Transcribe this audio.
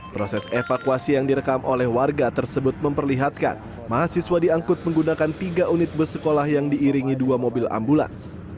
proses evakuasi yang direkam oleh warga tersebut memperlihatkan mahasiswa diangkut menggunakan tiga unit bus sekolah yang diiringi dua mobil ambulans